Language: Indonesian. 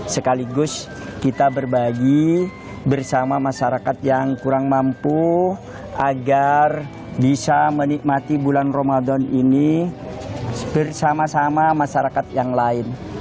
sekaligus kita berbagi bersama masyarakat yang kurang mampu agar bisa menikmati bulan ramadan ini bersama sama masyarakat yang lain